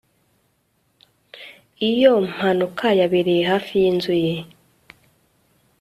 Iyo mpanuka yabereye hafi yinzu ye